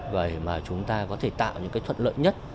vậy mà chúng ta có thể tạo những cái thuận lợi nhất